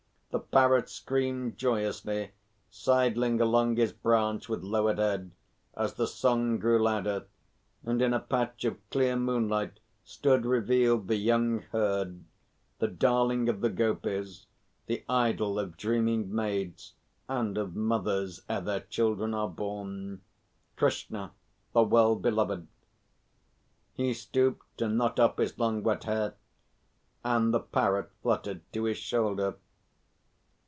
The Parrot screamed joyously, sidling along his branch with lowered head as the song grew louder, and in a patch of clear moonlight stood revealed the young herd, the darling of the Gopis, the idol of dreaming maids and of mothers ere their children are born Krishna the Well beloved. He stooped to knot up his long wet hair, and the Parrot fluttered to his shoulder.